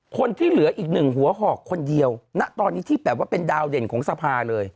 คนที่เหลืออีกหนึ่งหัวหอกคนเดียวณตอนนี้ที่แบบว่าเป็นดาวเด่นของสภาเลย